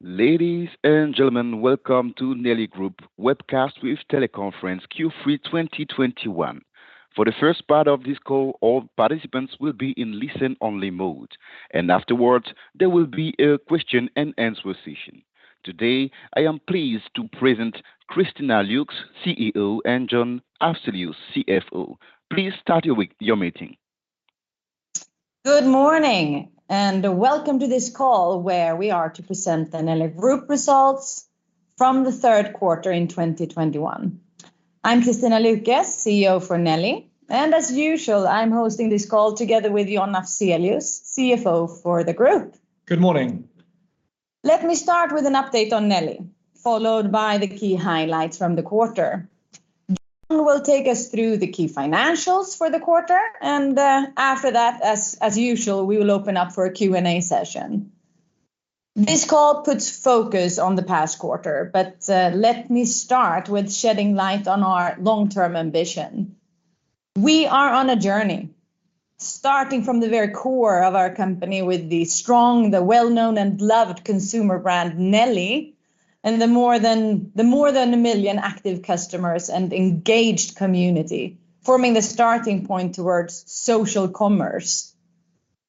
Ladies and gentlemen, welcome to Nelly Group webcast with teleconference Q3 2021. For the first part of this call, all participants will be in listen-only mode, and afterwards, there will be a question and answer session. Today, I am pleased to present Kristina Lukes, CEO, and John Afzelius, CFO. Please start your meeting. Good morning and welcome to this call where we are to present the Nelly Group results from the Q3 in 2021. I'm Kristina Lukes, CEO for Nelly, and as usual, I'm hosting this call together with John Afzelius, CFO for the group. Good morning. Let me start with an update on Nelly, followed by the key highlights from the quarter. John will take us through the key financials for the quarter. After that, as usual, we will open up for a Q&A session. This call puts focus on the past quarter. Let me start with shedding light on our long-term ambition. We are on a journey starting from the very core of our company with the strong, the well-known, and loved consumer brand, Nelly, and the more than 1 million active customers and engaged community, forming the starting point towards social commerce.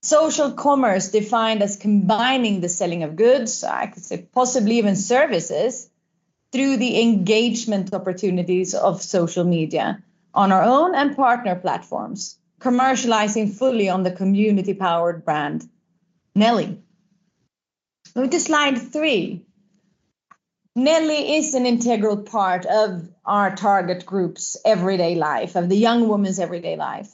Social commerce defined as combining the selling of goods, I could say possibly even services, through the engagement opportunities of social media on our own and partner platforms, commercializing fully on the community-powered brand, Nelly. Move to slide three. Nelly is an integral part of our target group's everyday life, of the young woman's everyday life.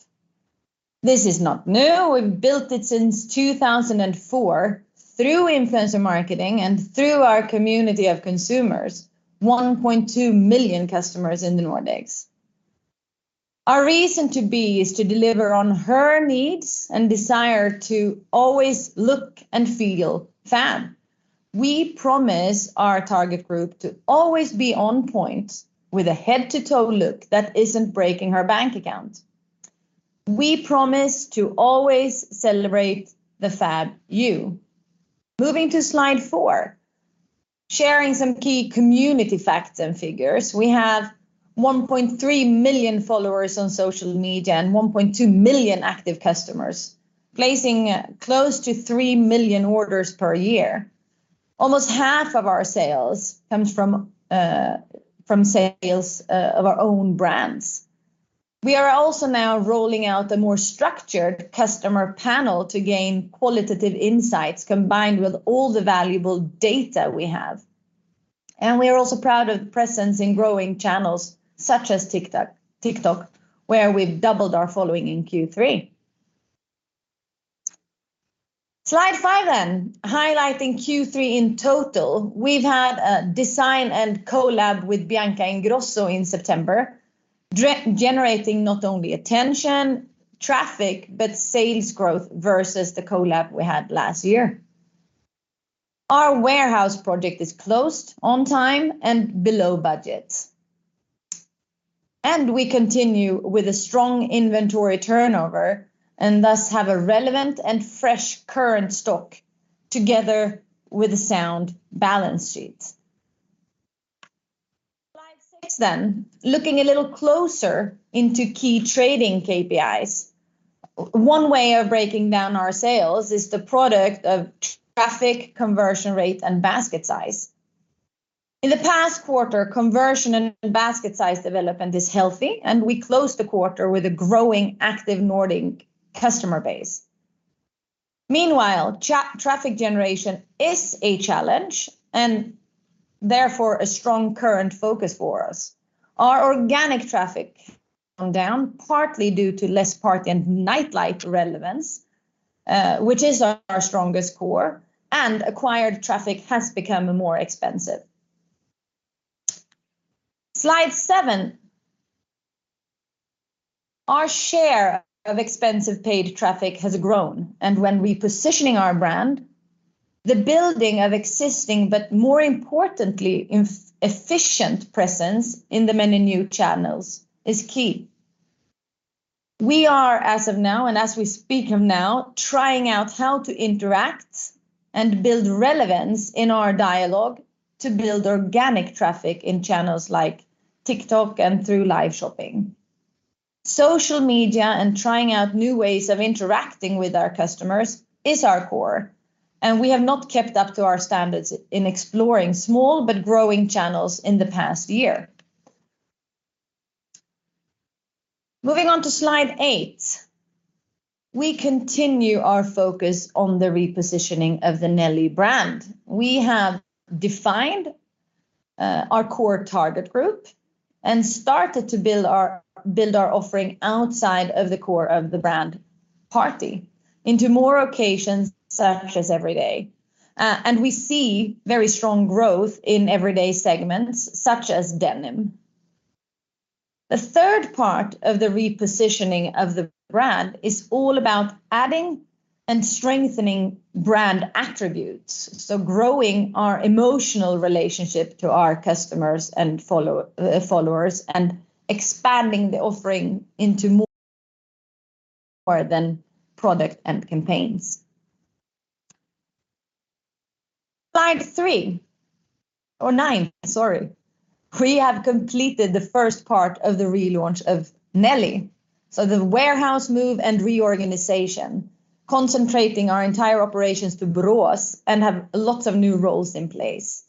This is not new. We've built it since 2004 through influencer marketing and through our community of consumers, 1.2 million customers in the Nordics. Our reason to be is to deliver on her needs and desire to always look and feel fab. We promise our target group to always be on point with a head-to-toe look that isn't breaking her bank account. We promise to always celebrate the fab you. Moving to slide four, sharing some key community facts and figures. We have 1.3 million followers on social media and 1.2 million active customers placing close to 3 million orders per year. Almost half of our sales comes from sales of our own brands. We are also now rolling out a more structured customer panel to gain qualitative insights combined with all the valuable data we have. We are also proud of presence in growing channels such as TikTok, where we've doubled our following in Q3. Slide five then. Highlighting Q3 in total, we've had a design and collab with Bianca Ingrosso in September, generating not only attention, traffic, but sales growth versus the collab we had last year. Our warehouse project is closed on time and below budget. We continue with a strong inventory turnover and thus have a relevant and fresh current stock together with a sound balance sheet. Slide six then. Looking a little closer into key trading KPIs. One way of breaking down our sales is the product of traffic conversion rate and basket size. In the past quarter, conversion and basket size development is healthy, and we closed the quarter with a growing, active Nordic customer base. Meanwhile, traffic generation is a challenge and therefore a strong current focus for us. Our organic traffic went down partly due to less party and nightlife relevance, which is our strongest core, and acquired traffic has become more expensive. Slide seven. Our share of expensive paid traffic has grown and when repositioning our brand, the building of existing, but more importantly, efficient presence in the many new channels is key. We are as of now and as we speak of now trying out how to interact and build relevance in our dialogue to build organic traffic in channels like TikTok and through live shopping. Social media and trying out new ways of interacting with our customers is our core, and we have not kept up to our standards in exploring small but growing channels in the past year. Moving on to slide eight. We continue our focus on the repositioning of the Nelly brand. We have defined our core target group and started to build our offering outside of the core of the brand party into more occasions such as everyday. We see very strong growth in everyday segments such as denim. The third part of the repositioning of the brand is all about adding and strengthening brand attributes, so growing our emotional relationship to our customers and followers and expanding the offering into more than product and campaigns. Slide three, or slide nine, sorry. We have completed the first part of the relaunch of Nelly. The warehouse move and reorganization, concentrating our entire operations to Borås and have lots of new roles in place.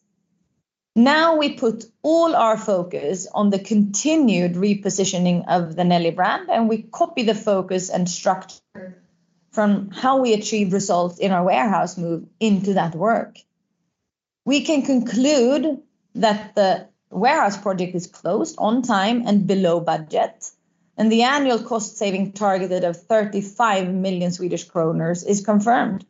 We put all our focus on the continued repositioning of the Nelly brand, and we copy the focus and structure from how we achieve results in our warehouse move into that work. We can conclude that the warehouse project is closed on time and below budget, and the annual cost saving targeted of 35 million Swedish kronor is confirmed.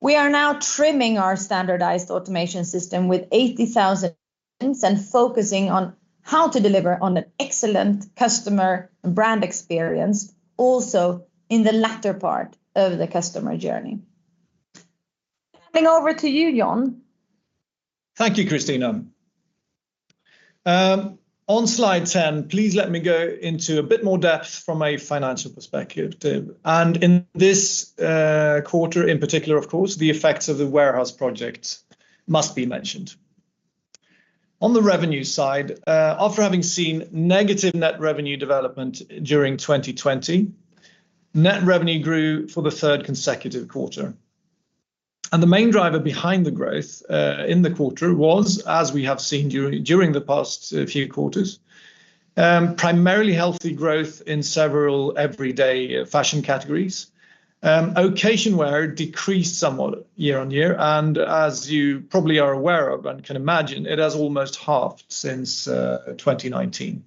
We are now trimming our standardized automation system with 80,000 items and focusing on how to deliver on an excellent customer brand experience, also in the latter part of the customer journey. Handing over to you, John. Thank you, Kristina. On slide 10, please let me go into a bit more depth from a financial perspective, too. In this quarter in particular, of course, the effects of the warehouse project must be mentioned. On the revenue side, after having seen negative net revenue development during 2020, net revenue grew for the third consecutive quarter. The main driver behind the growth in the quarter was, as we have seen during the past few quarters, primarily healthy growth in several everyday fashion categories. Occasion wear decreased somewhat year-over-year, and as you probably are aware of and can imagine, it has almost halved since 2019.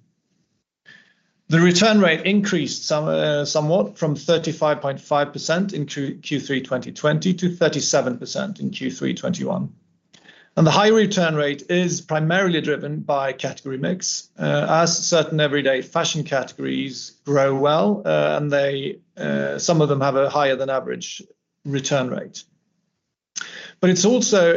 The return rate increased somewhat from 35.5% in Q3 2020 to 37% in Q3 2021. The high return rate is primarily driven by category mix, as certain everyday fashion categories grow well, and some of them have a higher than average return rate. It's also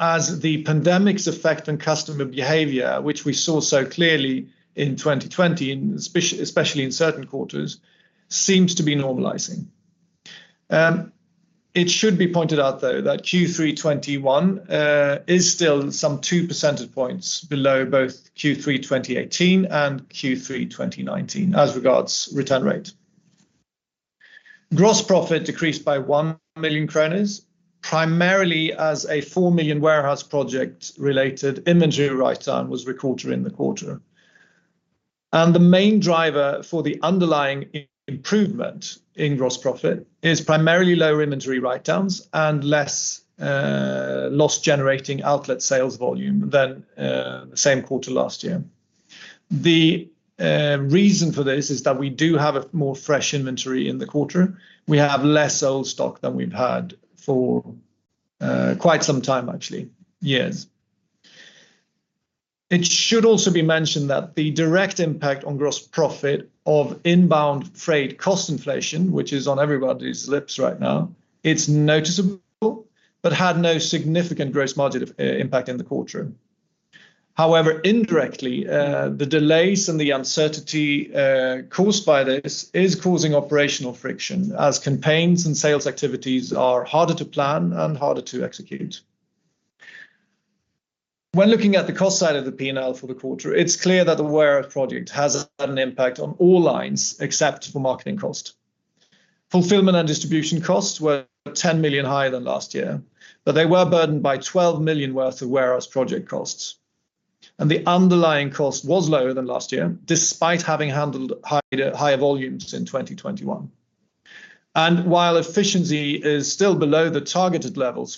as the pandemic's effect on customer behavior, which we saw so clearly in 2020, especially in certain quarters, seems to be normalizing. It should be pointed out, though, that Q3 2021 is still some 2 percentage points below both Q3 2018 and Q3 2019 as regards return rate. Gross profit decreased by 1 million kronor, primarily as a 4 million warehouse project related inventory writedown was recorded in the quarter. The main driver for the underlying improvement in gross profit is primarily lower inventory writedowns and less loss-generating outlet sales volume than same quarter last year. The reason for this is that we do have a more fresh inventory in the quarter. We have less old stock than we've had for quite some time, actually, years. It should also be mentioned that the direct impact on gross profit of inbound freight cost inflation, which is on everybody's lips right now, it's noticeable, but had no significant gross margin impact in the quarter. However, indirectly, the delays and the uncertainty caused by this is causing operational friction, as campaigns and sales activities are harder to plan and harder to execute. When looking at the cost side of the P&L for the quarter, it's clear that the warehouse project has had an impact on all lines except for marketing cost. Fulfillment and distribution costs were 10 million higher than last year, but they were burdened by 12 million worth of warehouse project costs. The underlying cost was lower than last year, despite having handled higher volumes in 2021. While efficiency is still below the targeted levels,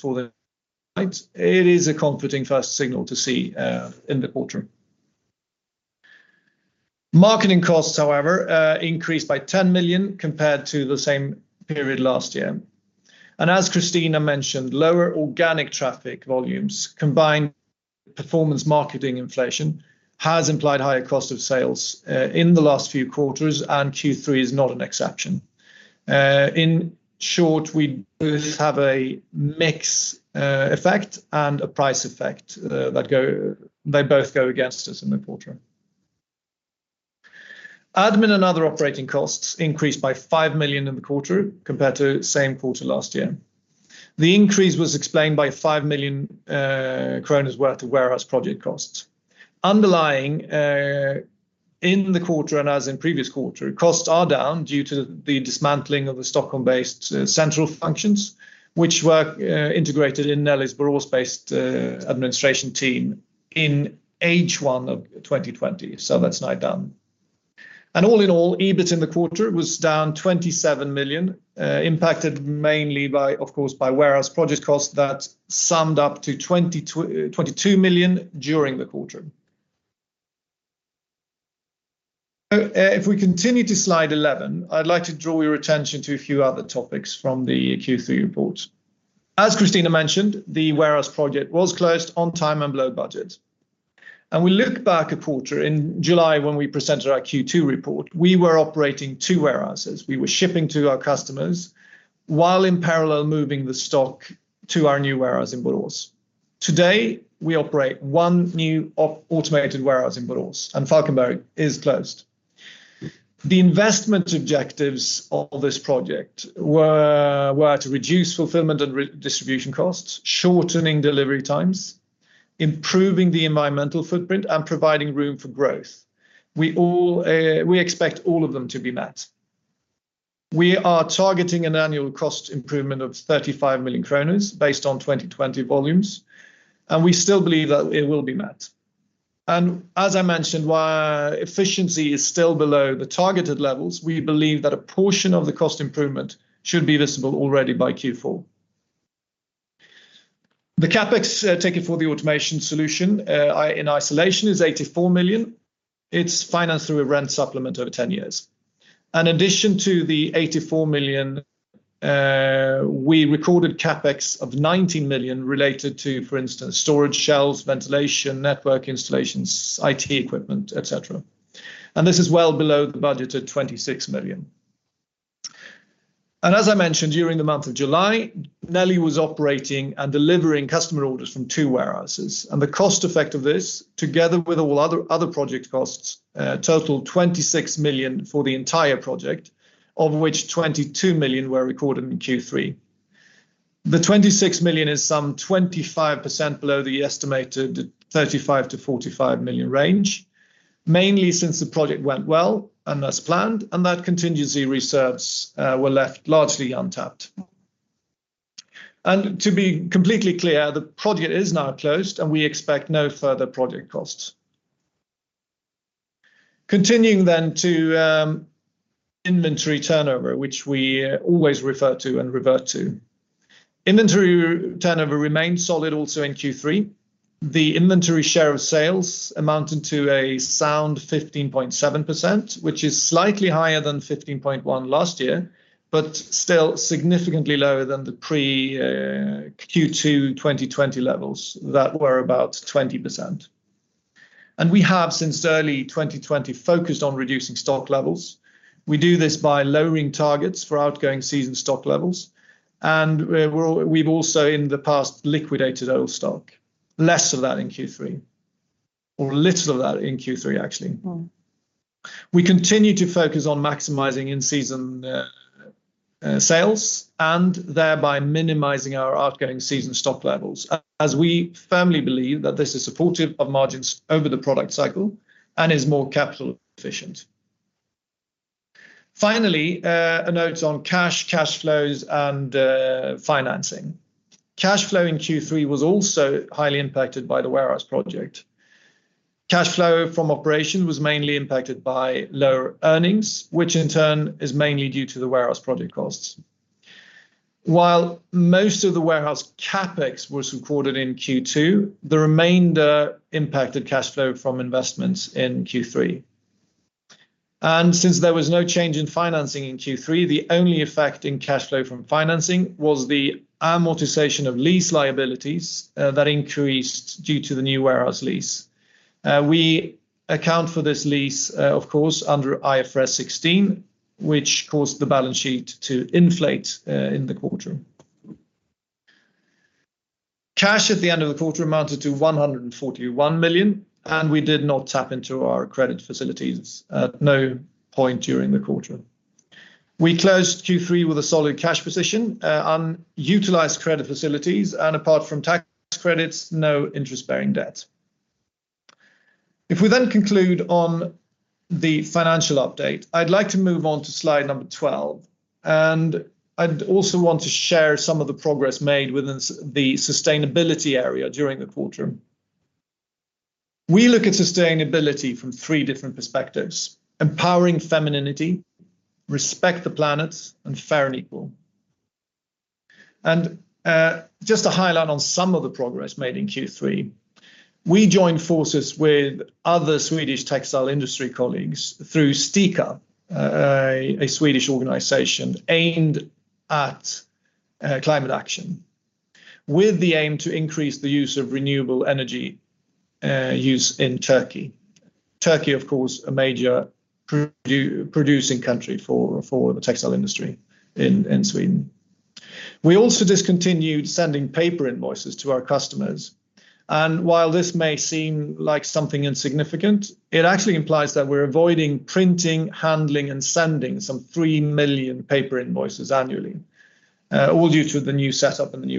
it is a comforting first signal to see in the quarter. Marketing costs, however, increased by 10 million compared to the same period last year. As Kristina mentioned, lower organic traffic volumes combined with performance marketing inflation has implied higher cost of sales in the last few quarters, and Q3 is not an exception. In short, we both have a mix effect and a price effect. They both go against us in the quarter. Admin and other operating costs increased by 5 million in the quarter compared to same quarter last year. The increase was explained by 5 million kronor worth of warehouse project costs. Underlying in the quarter and as in previous quarter, costs are down due to the dismantling of the Stockholm-based central functions, which were integrated in Nelly's Borås based administration team in H1 of 2020. That's now done. All in all, EBIT in the quarter was down 27 million, impacted mainly by, of course, warehouse project costs that summed up to 22 million during the quarter. If we continue to slide 11, I'd like to draw your attention to a few other topics from the Q3 report. As Kristina mentioned, the warehouse project was closed on time and below budget. We look back a quarter, in July when we presented our Q2 report, we were operating two warehouses. We were shipping to our customers while in parallel moving the stock to our new warehouse in Borås. Today, we operate one new automated warehouse in Borås, and Falkenberg is closed. The investment objectives of this project were to reduce fulfillment and distribution costs, shortening delivery times, improving the environmental footprint, and providing room for growth. We expect all of them to be met. We are targeting an annual cost improvement of 35 million kronor based on 2020 volumes. We still believe that it will be met. As I mentioned, while efficiency is still below the targeted levels, we believe that a portion of the cost improvement should be visible already by Q4. The CapEx ticket for the automation solution in isolation is 84 million. It's financed through a rent supplement over 10 years. In addition to the 84 million, we recorded CapEx of 19 million related to, for instance, storage shelves, ventilation, network installations, IT equipment, et cetera. This is well below the budgeted 26 million. As I mentioned, during the month of July, Nelly was operating and delivering customer orders from two warehouses, and the cost effect of this, together with all other project costs, totaled 26 million for the entire project, of which 22 million were recorded in Q3. The 26 million is some 25% below the estimated 35 million-45 million range, mainly since the project went well and as planned, and that contingency reserves were left largely untapped. To be completely clear, the project is now closed, and we expect no further project costs. Continuing to inventory turnover, which we always refer to and revert to. Inventory turnover remained solid also in Q3. The inventory share of sales amounted to a sound 15.7%, which is slightly higher than 15.1% last year, but still significantly lower than the pre-Q2 2020 levels that were about 20%. We have, since early 2020, focused on reducing stock levels. We do this by lowering targets for outgoing season stock levels, and we've also in the past liquidated old stock. Less of that in Q3, or little of that in Q3, actually. We continue to focus on maximizing in-season sales and thereby minimizing our outgoing season stock levels, as we firmly believe that this is supportive of margins over the product cycle and is more capital efficient. Finally, a note on cash flows, and financing. Cash flow in Q3 was also highly impacted by the warehouse project. Cash flow from operation was mainly impacted by lower earnings, which in turn is mainly due to the warehouse project costs. While most of the warehouse CapEx was recorded in Q2, the remainder impacted cash flow from investments in Q3. Since there was no change in financing in Q3, the only effect in cash flow from financing was the amortization of lease liabilities that increased due to the new warehouse lease. We account for this lease, of course, under IFRS 16, which caused the balance sheet to inflate in the quarter. Cash at the end of the quarter amounted to 141 million, and we did not tap into our credit facilities at no point during the quarter. We closed Q3 with a solid cash position, unutilized credit facilities, and apart from tax credits, no interest-bearing debt. If we then conclude on the financial update, I'd like to move on to slide 12, and I'd also want to share some of the progress made within the sustainability area during the quarter. We look at sustainability from three different perspectives: empowering femininity, respect the planet, and fair and equal. Just to highlight on some of the progress made in Q3, we joined forces with other Swedish textile industry colleagues through STICA, a Swedish organization aimed at climate action, with the aim to increase the use of renewable energy use in Turkey. Turkey, of course, a major producing country for the textile industry in Sweden. We also discontinued sending paper invoices to our customers. While this may seem like something insignificant, it actually implies that we're avoiding printing, handling, and sending some 3 million paper invoices annually, all due to the new setup in the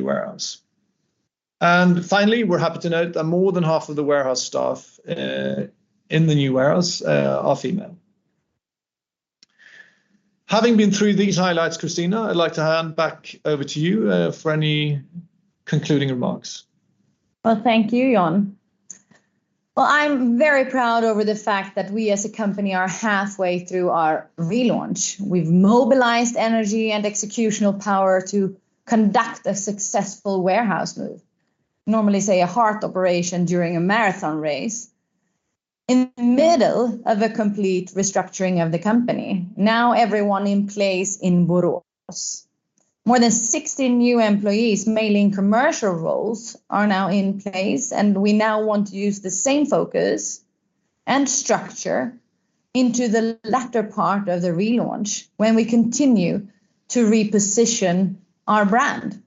new warehouse. Finally, we're happy to note that more than half of the warehouse staff in the new warehouse are female. Having been through these highlights, Kristina, I'd like to hand back over to you for any concluding remarks. Well, thank you, John. Well, I'm very proud over the fact that we as a company are halfway through our relaunch. We've mobilized energy and executional power to conduct a successful warehouse move, normally say a heart operation during a marathon race, in the middle of a complete restructuring of the company. Everyone in place in Borås. More than 60 new employees, mainly in commercial roles, are now in place. We now want to use the same focus and structure into the latter part of the relaunch when we continue to reposition our brand,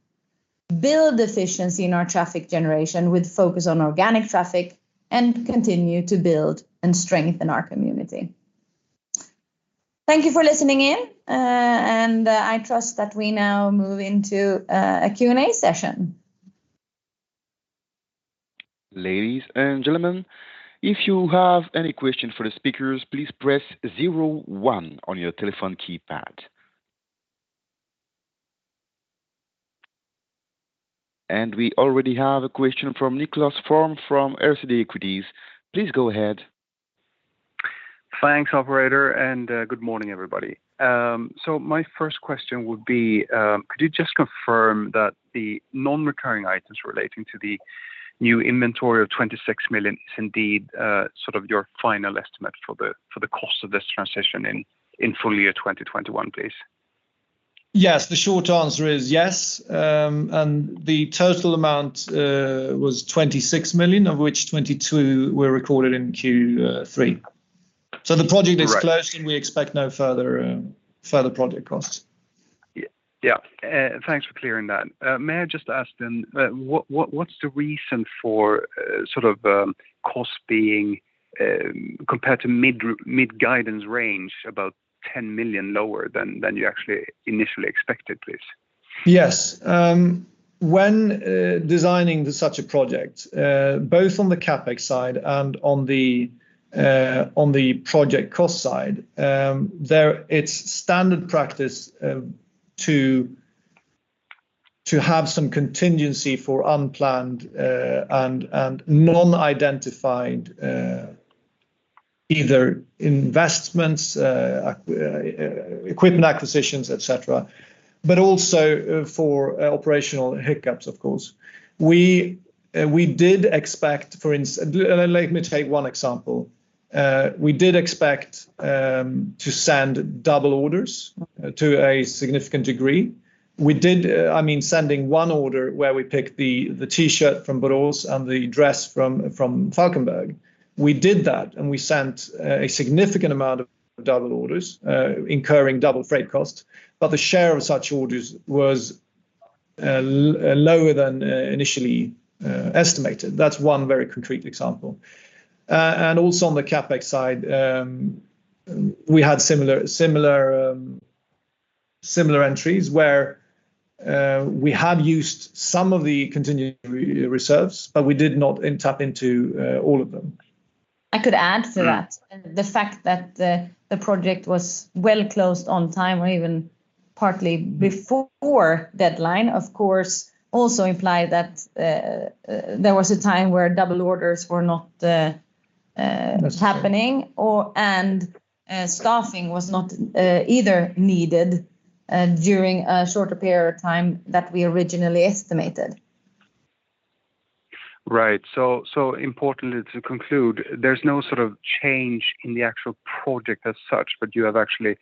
build efficiency in our traffic generation with focus on organic traffic, and continue to build and strengthen our community. Thank you for listening in. I trust that we now move into a Q&A session. Ladies and gentlemen, if you have any questions for the speakers, please press zero one on your telephone keypad. We already have a question from Niklas Lingblom from Redeye. Please go ahead. Thanks, operator. Good morning, everybody. My first question would be, could you just confirm that the non-recurring items relating to the new inventory of 26 million is indeed your final estimate for the cost of this transition in full year 2021, please? Yes. The short answer is yes, and the total amount was 26 million, of which 22 million were recorded in Q3. Right. The project is closed and we expect no further project costs. Yeah. Thanks for clearing that. May I just ask then, what's the reason for cost being compared to mid-guidance range about 10 million lower than you actually initially expected, please? Yes. When designing such a project, both on the CapEx side and on the project cost side, it's standard practice to have some contingency for unplanned and non-identified, either investments, equipment acquisitions, et cetera, but also for operational hiccups, of course. Let me take one example. We did expect to send double orders to a significant degree. Sending one order where we picked the T-shirt from Borås and the dress from Falkenberg. We did that, and we sent a significant amount of double orders, incurring double freight costs, but the share of such orders was lower than initially estimated. That's one very concrete example. Also on the CapEx side, we had similar entries where we had used some of the continued reserves, but we did not tap into all of them. I could add to that. The fact that the project was well closed on time or even partly before deadline, of course, also implied that there was a time where double orders were not happening and staffing was not either needed during a shorter period of time than we originally estimated. Right. Importantly to conclude, there's no change in the actual project as such, but you have actually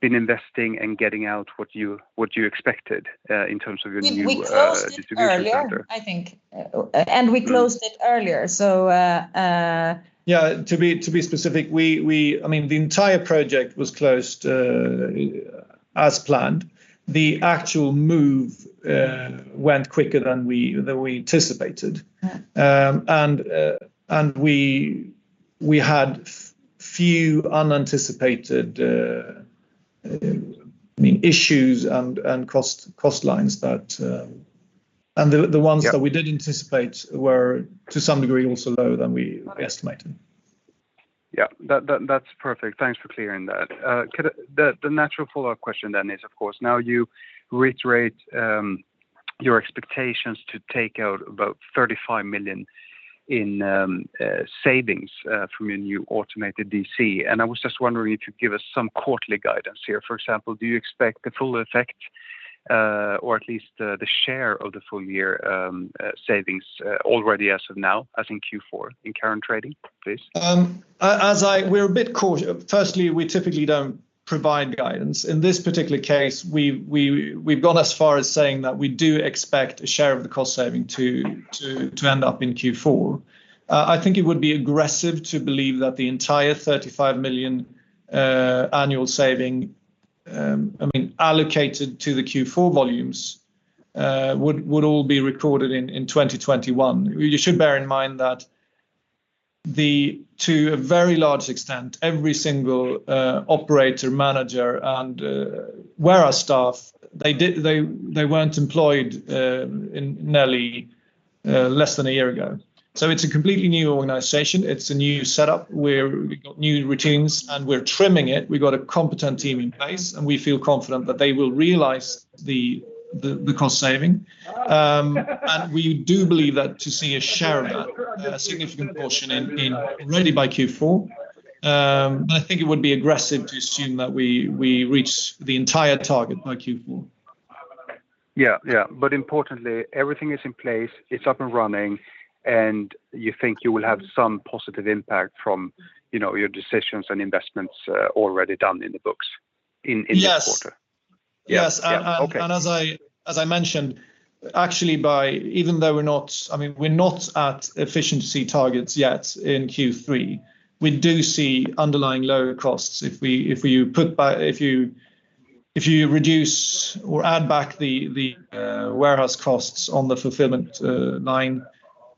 been investing and getting out what you expected in terms of your new distribution center. We closed it earlier, I think. We closed it earlier. To be specific, the entire project was closed as planned. The actual move went quicker than we anticipated. Yeah. We had few unanticipated issues and cost lines. The ones that we did anticipate were to some degree also lower than we estimated. Yeah. That's perfect. Thanks for clearing that. The natural follow-up question then is, of course, now you reiterate your expectations to take out about 35 million in savings from your new automated DC, and I was just wondering if you could give us some quarterly guidance here. For example, do you expect the full effect or at least the share of the full year savings already as of now, as in Q4, in current trading, please? Firstly, we typically don't provide guidance. In this particular case, we've gone as far as saying that we do expect a share of the cost saving to end up in Q4. I think it would be aggressive to believe that the entire 35 million annual saving allocated to the Q4 volumes would all be recorded in 2021. You should bear in mind that to a very large extent, every single operator, manager, and warehouse staff, they weren't employed in Nelly less than one year ago. It's a completely new organization. It's a new setup where we've got new routines and we're trimming it. We've got a competent team in place, and we feel confident that they will realize the cost saving. We do believe that to see a share of that, a significant portion already by Q4. I think it would be aggressive to assume that we reach the entire target by Q4. Yeah. Importantly, everything is in place, it's up and running, and you think you will have some positive impact from your decisions and investments already done in the books in this quarter? Yes. Yeah. Okay. As I mentioned, we are not at efficiency targets yet in Q3. We do see underlying lower costs if you reduce or add back the warehouse costs on the fulfillment line.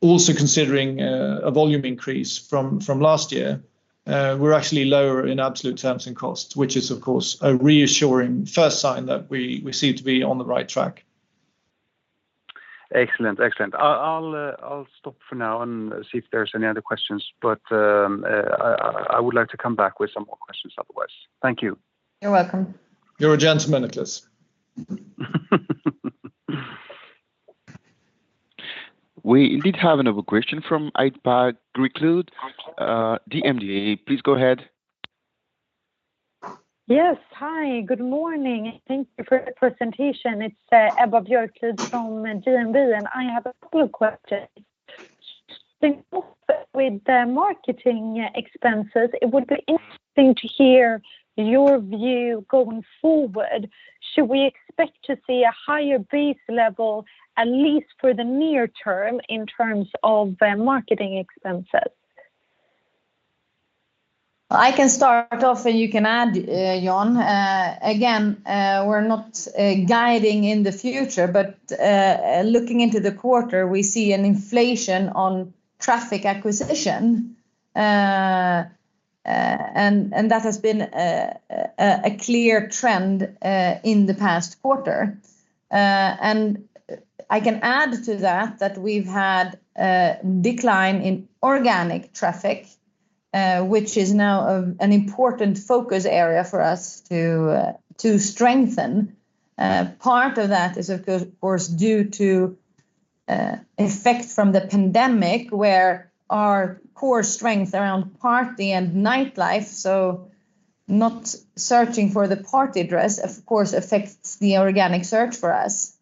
Also considering a volume increase from last year, we are actually lower in absolute terms in costs, which is, of course, a reassuring first sign that we seem to be on the right track. Excellent. I'll stop for now and see if there's any other questions, but I would like to come back with some more questions otherwise. Thank you. You're welcome. You're a gentleman, Niklas. We did have another question from [Ipack Gyrlud], DNB, please go ahead. Yes. Hi, good morning. Thank you for the presentation. It's Ebba Gyllemalm from DNB, and I have a couple of questions. To start off with the marketing expenses, it would be interesting to hear your view going forward. Should we expect to see a higher base level, at least for the near term, in terms of marketing expenses? I can start off. You can add, John. Again, we're not guiding in the future, but looking into the quarter, we see an inflation on traffic acquisition. That has been a clear trend in the past quarter. I can add to that we've had a decline in organic traffic, which is now an important focus area for us to strengthen. Part of that is, of course, due to effects from the pandemic, where our core strength around party and nightlife, so not searching for the party dress, of course, affects the organic search for us.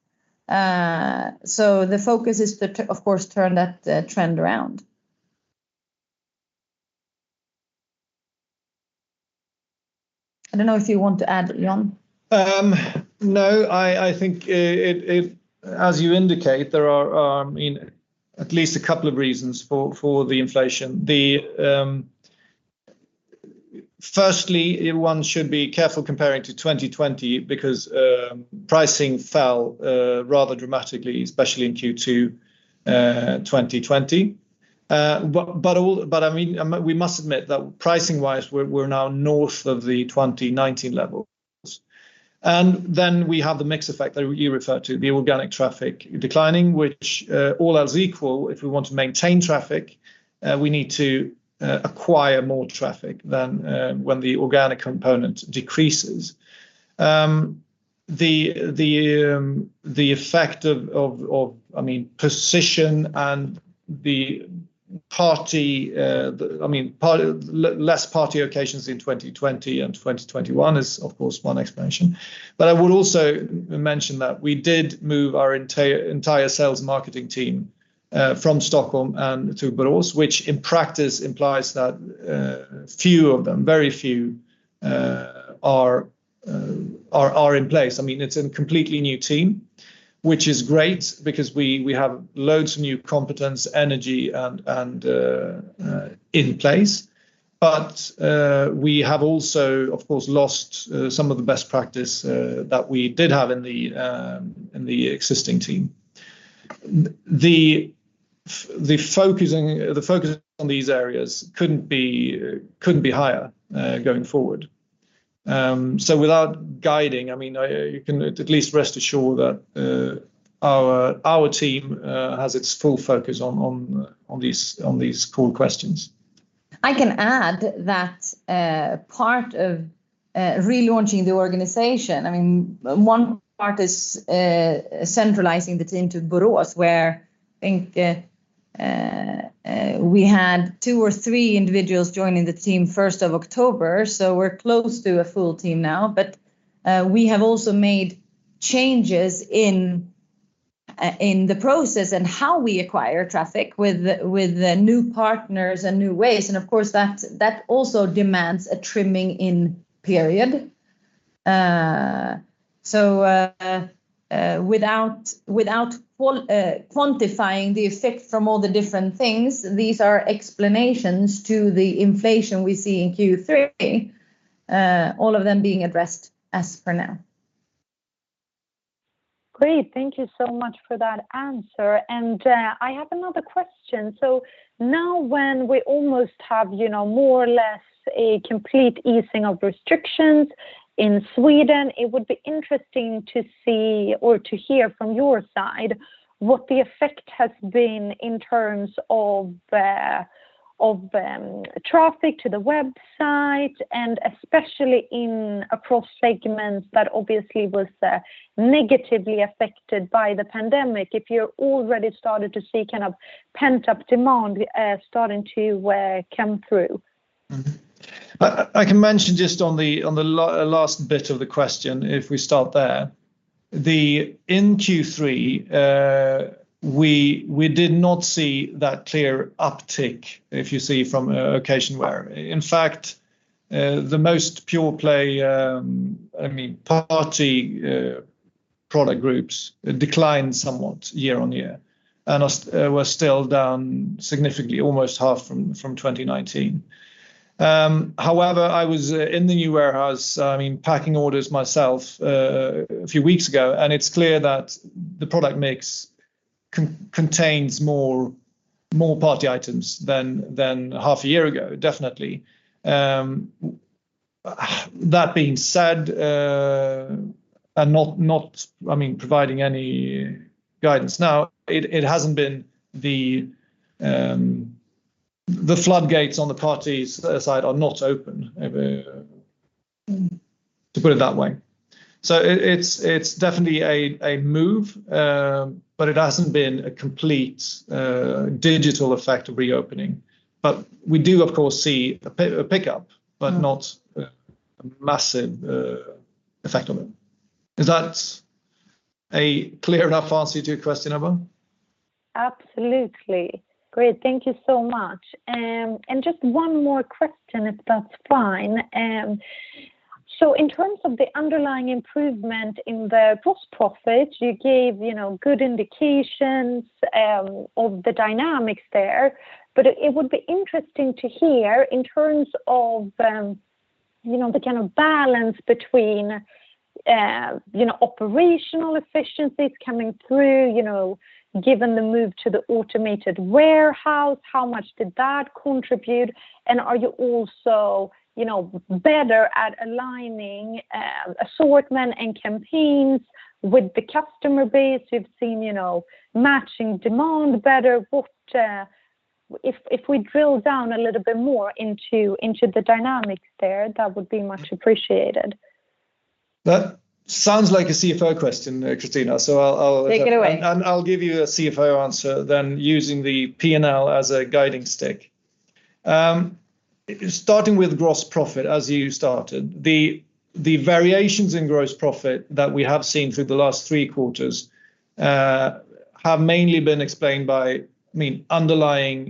The focus is to, of course, turn that trend around. I don't know if you want to add, John. No, I think as you indicate, there are at least a couple of reasons for the inflation. Firstly, one should be careful comparing to 2020 because pricing fell rather dramatically, especially in Q2 2020. We must admit that pricing-wise, we're now north of the 2019 levels. We have the mix effect that you referred to, the organic traffic declining. Which all else equal, if we want to maintain traffic, we need to acquire more traffic than when the organic component decreases. The effect of position and less party occasions in 2020 and 2021 is, of course, one explanation. I would also mention that we did move our entire sales marketing team from Stockholm to Borås, which in practice implies that very few of them are in place. It's a completely new team, which is great because we have loads of new competence, energy in place. We have also, of course, lost some of the best practice that we did have in the existing team. The focus on these areas couldn't be higher going forward. Without guiding, you can at least rest assured that our team has its full focus on these core questions. I can add that part of relaunching the organization, one part is centralizing the team to Borås, where I think we had two or three individuals joining the team first of October. We're close to a full team now, but we have also made changes in the process and how we acquire traffic with the new partners and new ways. Of course, that also demands a trimming in period. Without quantifying the effect from all the different things, these are explanations to the inflation we see in Q3, all of them being addressed as for now. Great. Thank you so much for that answer. I have another question. Now when we almost have more or less a complete easing of restrictions in Sweden, it would be interesting to see or to hear from your side what the effect has been in terms of traffic to the website, and especially across segments that obviously was negatively affected by the pandemic, if you're already started to see pent-up demand starting to come through? I can mention just on the last bit of the question, if we start there. In Q3, we did not see that clear uptick from occasionwear. In fact, the most pure play, party product groups declined somewhat year-on-year and were still down significantly, almost half from 2019. However, I was in the new warehouse packing orders myself a few weeks ago, and it's clear that the product mix contains more party items than half a year ago, definitely. That being said, not providing any guidance now, the floodgates on the parties side are not open, to put it that way. It's definitely a move, it hasn't been a complete digital effect of reopening. We do, of course, see a pickup, not a massive effect on it. Is that a clear enough answer to your question, Ebba? Absolutely. Great. Thank you so much. Just one more question, if that's fine. In terms of the underlying improvement in the gross profit, you gave good indications of the dynamics there, but it would be interesting to hear in terms of the kind of balance between operational efficiencies coming through given the move to the automated warehouse, how much did that contribute? Are you also better at aligning assortment and campaigns with the customer base? We've seen matching demand better. If we drill down a little bit more into the dynamics there, that would be much appreciated. That sounds like a CFO question, Kristina. Take it away. I'll give you a CFO answer then using the P&L as a guiding stick. Starting with gross profit, as you started, the variations in gross profit that we have seen through the last three quarters have mainly been explained by underlying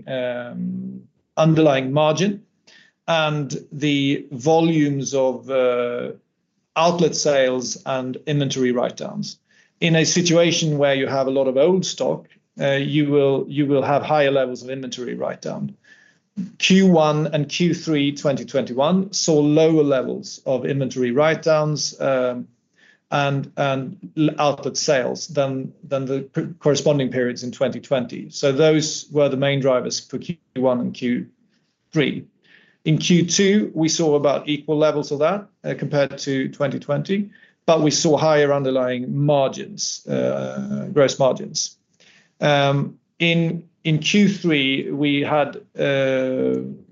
margin and the volumes of outlet sales and inventory write-downs. In a situation where you have a lot of old stock, you will have higher levels of inventory write-down. Q1 and Q3 2021 saw lower levels of inventory write-downs and outlet sales than the corresponding periods in 2020. Those were the main drivers for Q1 and Q3. In Q2, we saw about equal levels of that compared to 2020, but we saw higher underlying margins, gross margins. In Q3,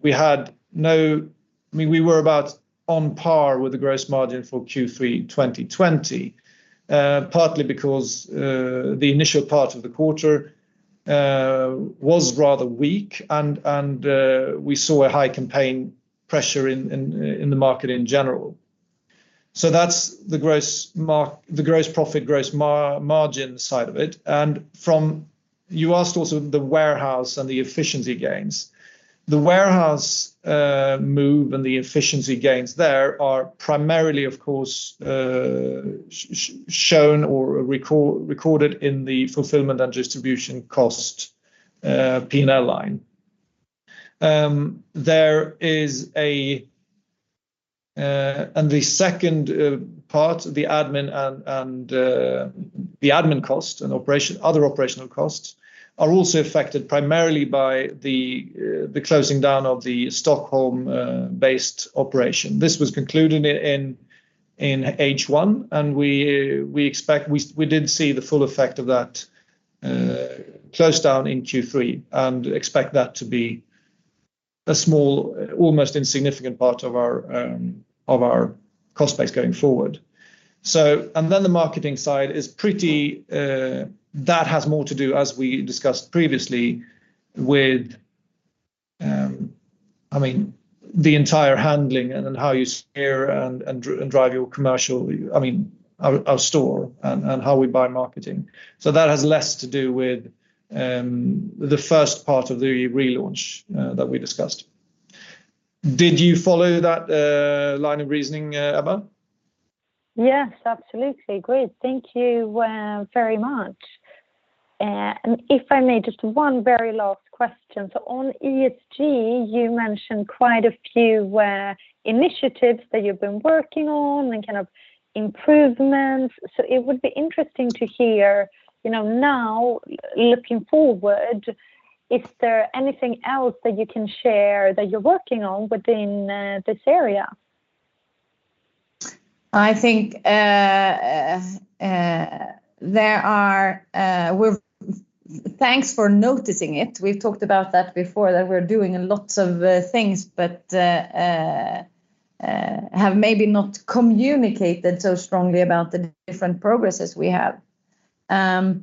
we were about on par with the gross margin for Q3 2020, partly because the initial part of the quarter was rather weak and we saw a high campaign pressure in the market in general. That's the gross profit, gross margin side of it. You asked also the warehouse and the efficiency gains. The warehouse move and the efficiency gains there are primarily, of course, shown or recorded in the fulfillment and distribution cost P&L line. The second part, the admin cost and other operational costs are also affected primarily by the closing down of the Stockholm-based operation. This was concluded in H1, and we did see the full effect of that close down in Q3 and expect that to be a small, almost insignificant part of our cost base going forward. The marketing side, that has more to do, as we discussed previously, with the entire handling and how you steer and drive our store and how we buy marketing. That has less to do with the first part of the relaunch that we discussed. Did you follow that line of reasoning, Ebba? Yes, absolutely. Great. Thank you very much. If I may, just one very last question. On ESG, you mentioned quite a few initiatives that you've been working on and kind of improvements. It would be interesting to hear now, looking forward, is there anything else that you can share that you're working on within this area? Thanks for noticing it. We've talked about that before, that we're doing lots of things but have maybe not communicated so strongly about the different progress we have. I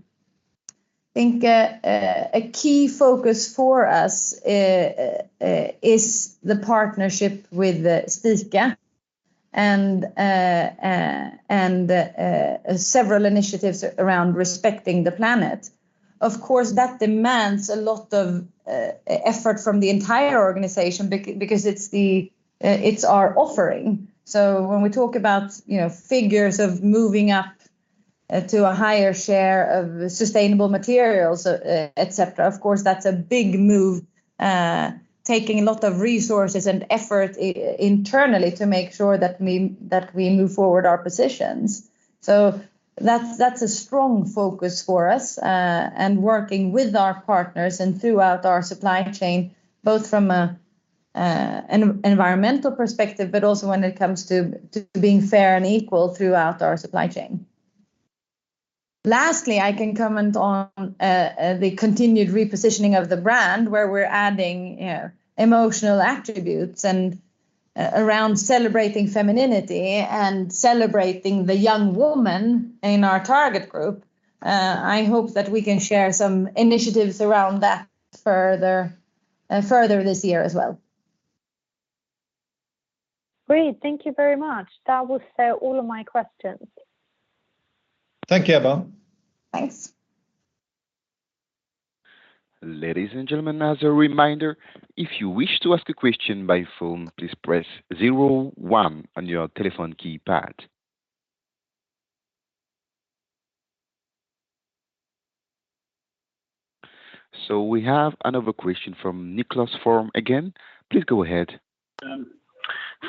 think a key focus for us is the partnership with STICA and several initiatives around respecting the planet. Of course, that demands a lot of effort from the entire organization because it's our offering. When we talk about figures of moving up to a higher share of sustainable materials, et cetera, of course, that's a big move, taking a lot of resources and effort internally to make sure that we move forward our positions. That's a strong focus for us, and working with our partners and throughout our supply chain, both from an environmental perspective, but also when it comes to being fair and equal throughout our supply chain. I can comment on the continued repositioning of the brand, where we're adding emotional attributes and around celebrating femininity and celebrating the young woman in our target group. I hope that we can share some initiatives around that further this year as well. Great. Thank you very much. That was all of my questions. Thank you, Ebba. Thanks. We have another question from Niklas Lingblom again. Please go ahead.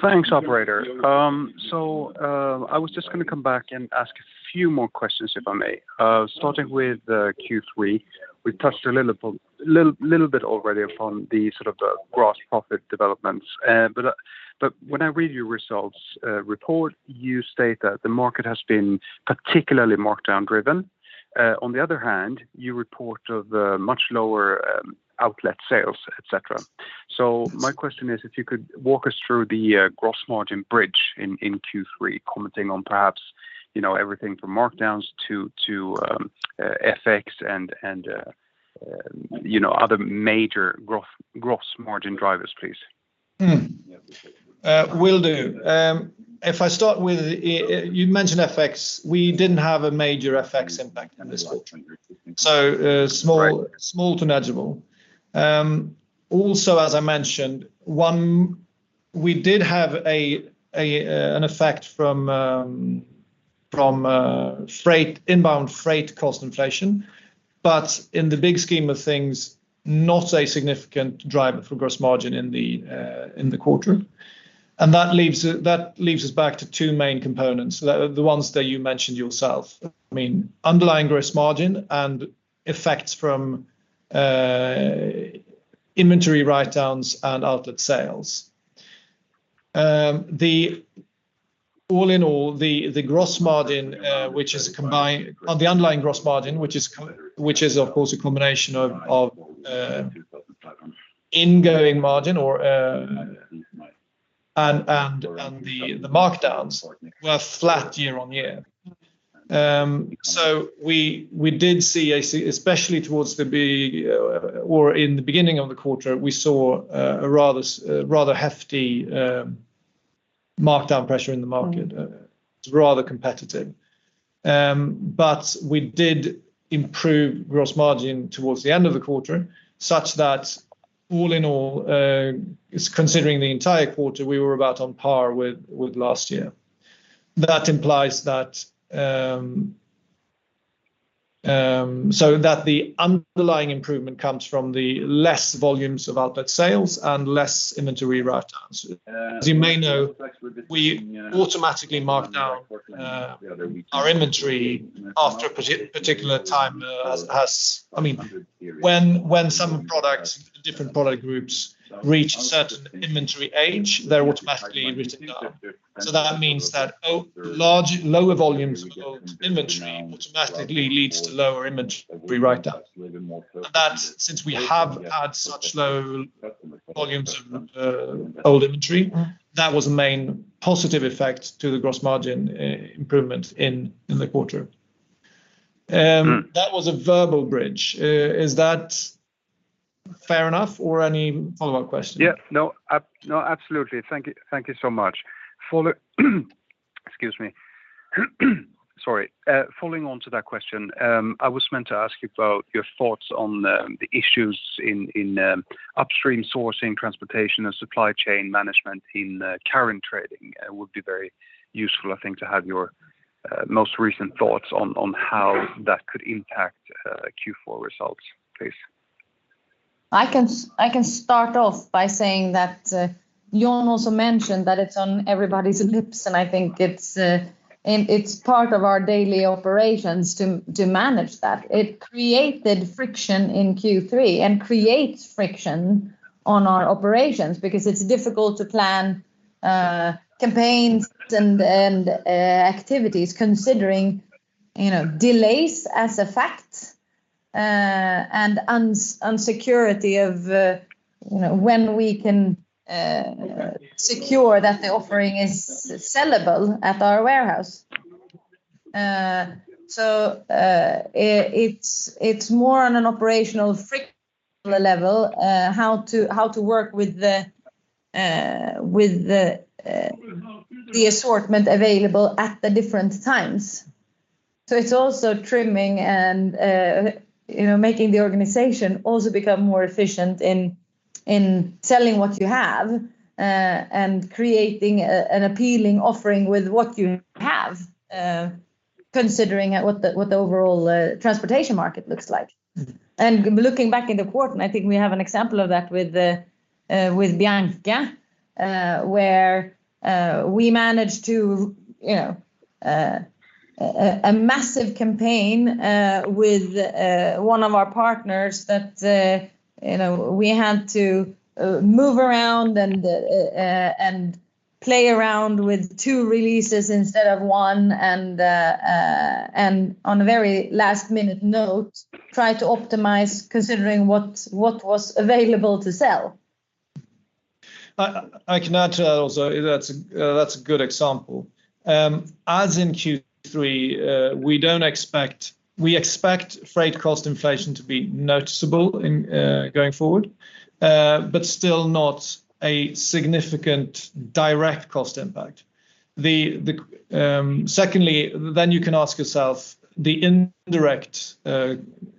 Thanks, operator. I was just going to come back and ask a few more questions, if I may. Starting with Q3, we touched a little bit already upon the sort of gross profit developments. When I read your results report, you state that the market has been particularly markdown driven. On the other hand, you report of much lower outlet sales, et cetera. My question is if you could walk us through the gross margin bridge in Q3, commenting on perhaps everything from markdowns to FX and other major gross margin drivers, please. Will do. If I start with, you mentioned FX, we didn't have a major FX impact in this quarter. Small to negligible. Also, as I mentioned, we did have an effect from inbound freight cost inflation, but in the big scheme of things, not a significant driver for gross margin in the quarter. That leaves us back to two main components, the ones that you mentioned yourself. Underlying gross margin and effects from inventory write-downs and outlet sales. All in all, the underlying gross margin, which is of course a combination of ingoing margin and the markdowns were flat year-over-year. We did see, especially in the beginning of the quarter, we saw a rather hefty markdown pressure in the market. It was rather competitive. We did improve gross margin towards the end of the quarter, such that all in all, considering the entire quarter, we were about on par with last year. That implies that the underlying improvement comes from the less volumes of outlet sales and less inventory write-downs. As you may know, we automatically mark down our inventory after a particular time. When some different product groups reach a certain inventory age, they're automatically written down. That means that lower volumes of old inventory automatically leads to lower inventory write-down. Since we have had such low volumes of old inventory, that was a main positive effect to the gross margin improvement in the quarter. That was a verbal bridge. Is that fair enough or any follow-up questions? Yeah. No, absolutely. Thank you so much. Excuse me. Sorry. Following on to that question, I was meant to ask you about your thoughts on the issues in upstream sourcing, transportation, and supply chain management in current trading. It would be very useful, I think, to have your most recent thoughts on how that could impact Q4 results, please. I can start off by saying that John also mentioned that it's on everybody's lips, and I think it's part of our daily operations to manage that. It created friction in Q3 and creates friction on our operations because it's difficult to plan campaigns and activities considering delays as a fact and insecurity of when we can secure that the offering is sellable at our warehouse. It's more on an operational level, how to work with the assortment available at the different times. It's also trimming and making the organization also become more efficient in selling what you have, and creating an appealing offering with what you have, considering what the overall transportation market looks like. Looking back in the quarter, and I think we have an example of that with Bianca, where we managed a massive campaign with one of our partners that we had to move around and play around with two releases instead of one, and on a very last-minute note, try to optimize considering what was available to sell. I can add to that also. That's a good example. As in Q3, we expect freight cost inflation to be noticeable going forward, but still not a significant direct cost impact. Secondly, you can ask yourself the indirect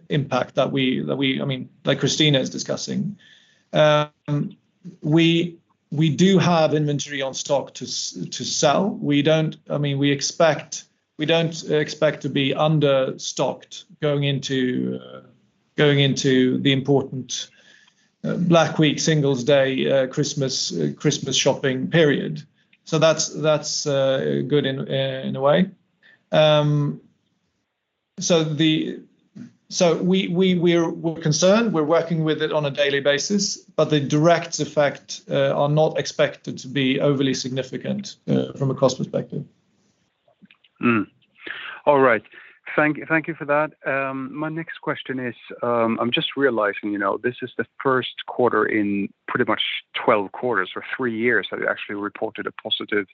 impact that Kristina is discussing. We do have inventory on stock to sell. We don't expect to be under-stocked going into the important Black Week, Singles' Day, Christmas shopping period. That's good in a way. We're concerned, we're working with it on a daily basis, the direct effect are not expected to be overly significant from a cost perspective. All right. Thank you for that. My next question is, I am just realizing, this is the first quarter in pretty much 12 quarters or three years that you actually reported a positive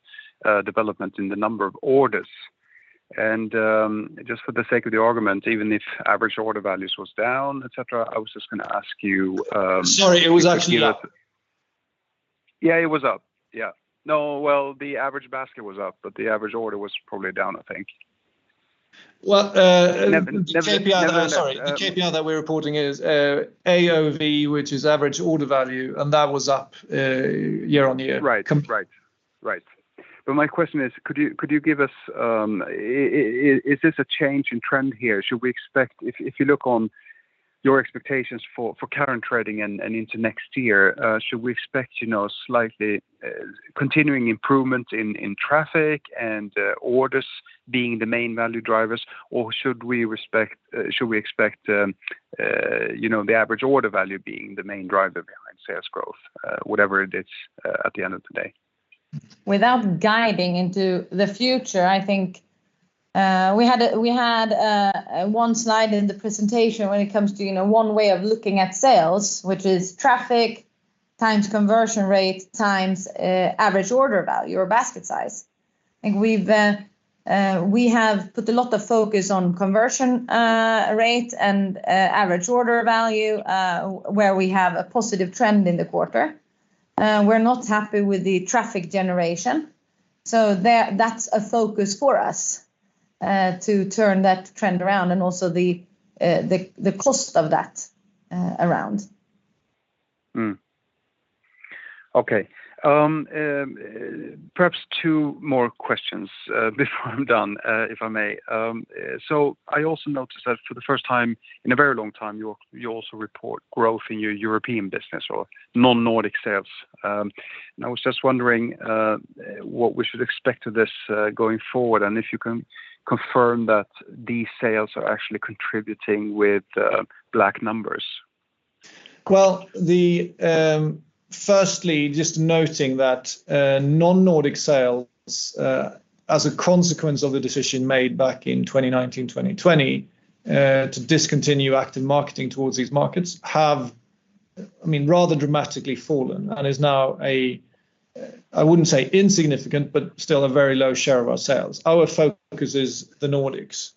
development in the number of orders. just for the sake of the argument, even if average order values was down, et cetera, I was just going to ask you. Sorry, it was actually up. Yeah, it was up. Yeah. No, well, the average basket was up, but the average order was probably down, I think. Well- Never mind. The KPI that we're reporting is AOV, which is average order value, and that was up year-on-year. Right. My question is this a change in trend here? If you look on your expectations for current trading and into next year, should we expect slightly continuing improvement in traffic and orders being the main value drivers, or should we expect the average order value being the main driver behind sales growth? Whatever it is at the end of the day. Without guiding into the future, I think we had one slide in the presentation when it comes to one way of looking at sales, which is traffic times conversion rate times average order value or basket size. I think we have put a lot of focus on conversion rate and average order value, where we have a positive trend in the quarter. We're not happy with the traffic generation. That's a focus for us to turn that trend around, and also the cost of that around. Okay. Perhaps two more questions before I'm done, if I may. I also noticed that for the first time in a very long time, you also report growth in your European business or non-Nordic sales. I was just wondering what we should expect of this going forward, and if you can confirm that these sales are actually contributing with black numbers. Well, firstly, just noting that non-Nordic sales, as a consequence of the decision made back in 2019, 2020 to discontinue active marketing towards these markets, have rather dramatically fallen and is now a, I wouldn't say insignificant, but still a very low share of our sales. Our focus is the Nordics.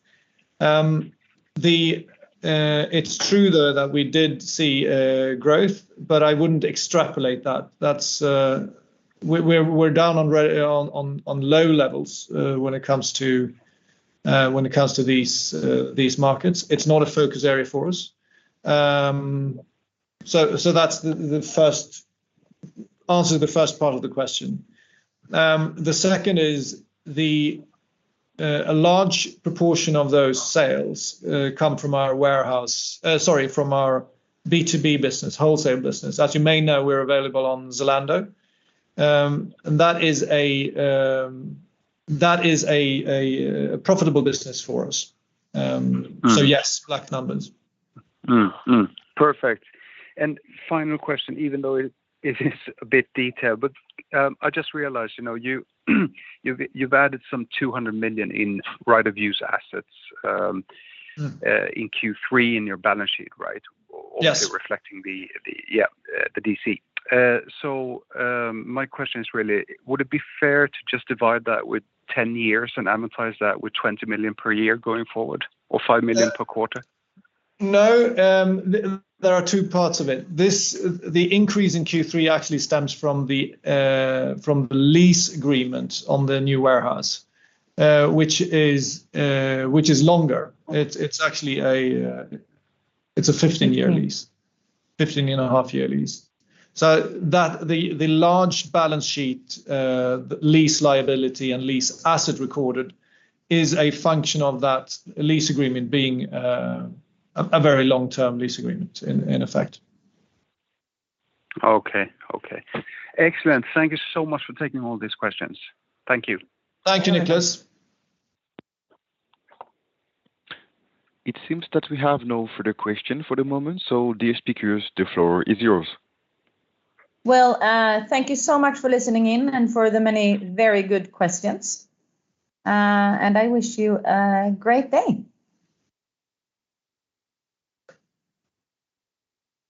It's true, though, that we did see growth, but I wouldn't extrapolate that. We're down on low levels when it comes to these markets. It's not a focus area for us. That's the answer to the first part of the question. The second is, a large proportion of those sales come from our B2B business, wholesale business. As you may know, we're available on Zalando. That is a profitable business for us. Yes, black numbers. Perfect. Final question, even though it is a bit detailed, but I just realized you've added some 200 million in right of use assets in Q3 in your balance sheet, right? Yes. Also reflecting the D.C. My question is really, would it be fair to just divide that with 10 years and amortize that with 20 million per year going forward or 5 million per quarter? No. There are two parts of it. The increase in Q3 actually stems from the lease agreement on the new warehouse, which is longer. It's a 15.5-year lease. The large balance sheet lease liability and lease asset recorded is a function of that lease agreement being a very long-term lease agreement in effect. Okay. Excellent. Thank you so much for taking all these questions. Thank you. Thank you, Niklas. It seems that we have no further question for the moment, dear speakers, the floor is yours. Well, thank you so much for listening in and for the many very good questions. I wish you a great day.